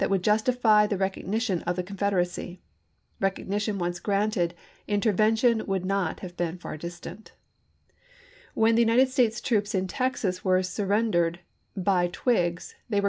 would justify the recognition of the Confederacy. Recognition once granted, intervention would not have been far distant. When the United States troops in Texas were surrendered by Twiggs they were granted terms of ostentatious liberality.